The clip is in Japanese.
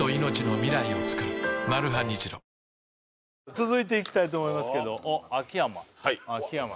続いていきたいと思いますけどおっ秋山はい